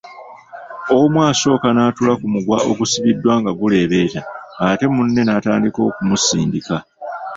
Omu asooka n’atuula ku muguwa ogusibiddwa nga guleebeeta ate munne n’atandika okumusindika.